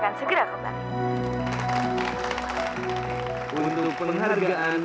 terjadilah percacokan yang tidak pernah diselesaikan